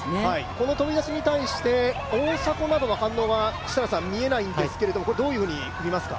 この飛び出しに対して、大迫などの反応は見えないんですが、どういうふうに見ますか？